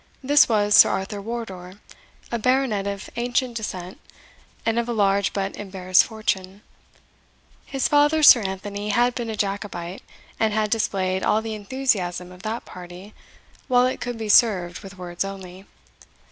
This was Sir Arthur Wardour, a baronet of ancient descent, and of a large but embarrassed fortune. His father, Sir Anthony, had been a Jacobite, and had displayed all the enthusiasm of that party, while it could be served with words only.